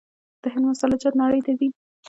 د هند مساله جات نړۍ ته ځي.